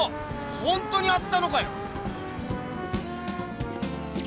ほんとにあったのかよ！